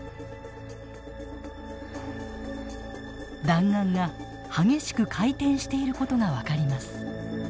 弾丸が激しく回転していることが分かります。